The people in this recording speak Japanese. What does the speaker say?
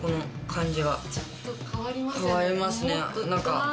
変わりますね。